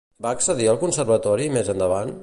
Va accedir al Conservatori més endavant?